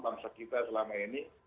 bangsa kita selama ini